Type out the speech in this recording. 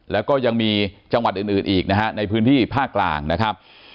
แล้วก็ยังมีจังหวัดอื่นอีกนะฮะในพื้นที่ภาคกลางนะครับ